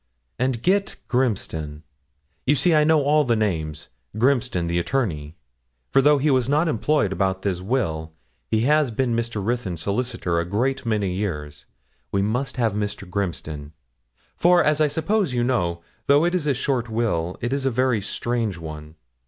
And get Grimston you see I know all the names Grimston, the attorney; for though he was not employed about this will, he has been Mr. Ruthyn's solicitor a great many years: we must have Grimston; for, as I suppose you know, though it is a short will, it is a very strange one.